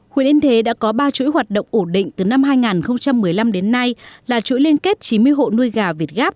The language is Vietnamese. huyện yên thế đã có ba chuỗi hoạt động ổn định từ năm hai nghìn một mươi năm đến nay là chuỗi liên kết chín mươi hộ nuôi gà việt gáp